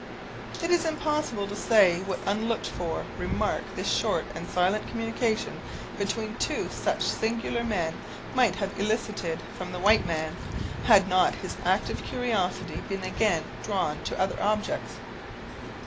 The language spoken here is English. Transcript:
It is impossible to say what unlooked for remark this short and silent communication, between two such singular men, might have elicited from the white man, had not his active curiosity been again drawn to other objects.